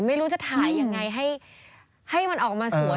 ไม่รู้จะถ่ายยังไงให้มันออกมาสวย